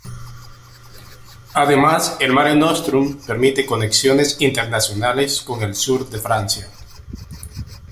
Además, el "Mare Nostrum" permite conexiones internacionales con el sur de Francia.